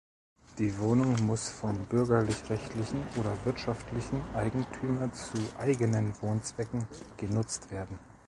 Die Wohnung muss vom bürgerlich-rechtlichen oder wirtschaftlichen Eigentümer zu eigenen Wohnzwecken genutzt werden.